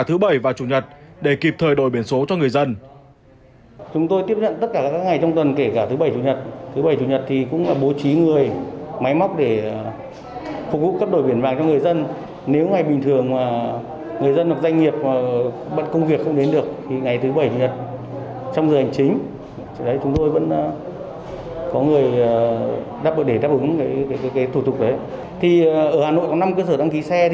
thường thêm lực lượng làm việc cả thứ bảy và chủ nhật để kịp thời đổi biển số cho người dân